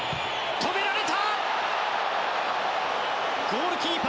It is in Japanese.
止められた！